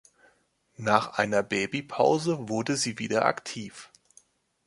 Nach einer Babypause wurde sie wieder aktiv.